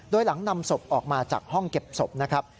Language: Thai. โดยหลังนำศพออกมาจากห้องเก็บศพนะครับ